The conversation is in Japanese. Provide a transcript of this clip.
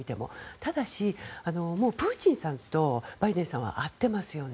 ただし、プーチンさんとバイデンさんは会ってますよね。